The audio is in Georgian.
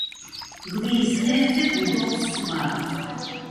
ღვიის ხეებზე ბუდობს სვავი.